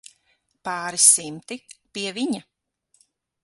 Pāris simti, pie viņa.